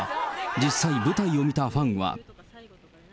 実際舞台を見たファンは。